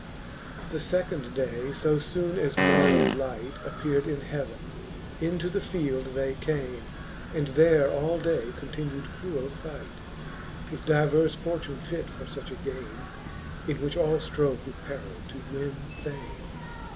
VII. The fecond day, fo foon as morrow light Appear'd in heaven, into the field they came, And there all day continew'd cruell fight. With divers fortune fit for fuch a game, In which all ftrove with perill to winne fame.